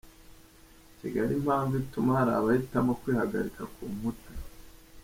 Kigali Impamvu ituma hari abahitamo kwihagarika ku nkuta